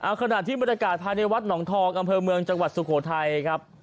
เอาขณะที่บรรยากาศภายในวัดหนองทองอำเภอเมืองจังหวัดสุโขทัยครับ